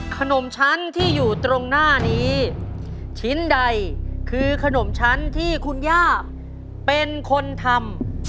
ขนมชั้นที่อยู่ตรงหน้านี้ชิ้นใดคือขนมชั้นที่คุณย่าเป็นคนทำ